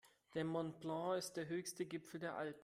Der Mont Blanc ist der höchste Gipfel der Alpen.